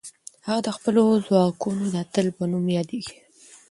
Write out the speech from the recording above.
هغه د خپلو ځواکونو د اتل په نوم یادېږي.